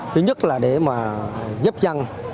thứ nhất là để mà giúp dân